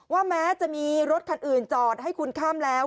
แม้จะมีรถคันอื่นจอดให้คุณข้ามแล้ว